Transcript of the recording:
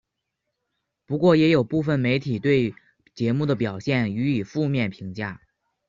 不过也有部分媒体对节目的表现予以负面评价。